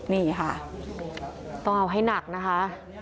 นี่ค่ะต้องเอาให้หนักนะคะ